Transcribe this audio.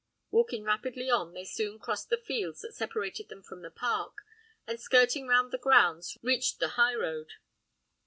Walking rapidly on, they soon crossed the fields that separated them from the park, and skirting round the grounds reached the high road.